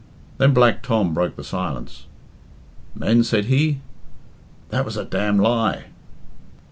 Then Black Tom broke the silence. "Men," said he, "that was a d lie."